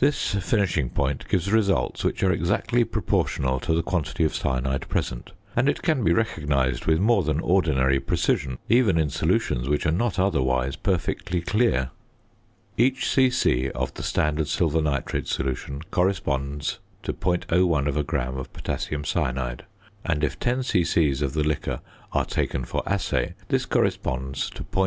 This finishing point gives results which are exactly proportional to the quantity of cyanide present; and it can be recognised with more than ordinary precision even in solutions which are not otherwise perfectly clear. Each c.c. of the standard silver nitrate solution corresponds to .01 gram of potassium cyanide; and if 10 c.c. of the liquor are taken for assay this corresponds to .1 per cent. or 2 lbs. to the short ton or 2.